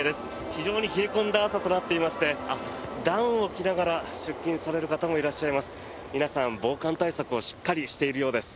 非常に冷え込んだ朝となっていましてダウンを着ながら出勤される方もいます。